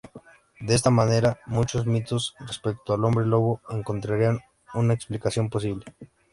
De esta manera, muchos mitos respecto al hombre lobo encontrarían una explicación posible.